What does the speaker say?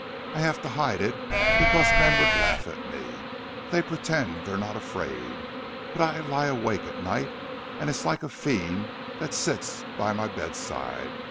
I have to hide it—because men would laugh at me—they pretend they're not afraid! But I lie awake all night, and it's like a fiend that sits by my bedside!